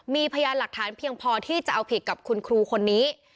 มีพยานหลักฐานเพียงพอที่จะเอาผิดกับคุณครูคนนี้